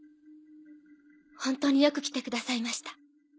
本当によく来てくださいました。